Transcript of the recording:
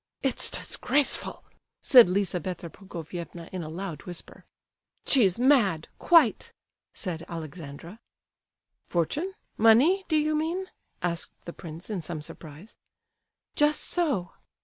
"It's disgraceful," said Lizabetha Prokofievna in a loud whisper. "She's mad—quite!" said Alexandra. "Fortune—money—do you mean?" asked the prince in some surprise. "Just so."